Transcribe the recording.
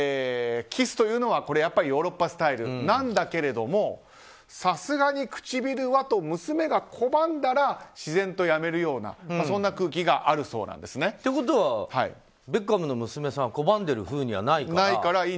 キスというのはヨーロッパスタイルなんだけれどもさすがに唇はと娘が拒んだら自然とやめるようなそんな空気があるそうなんですね。ってことはベッカムの娘さんは拒んでる感じはないから。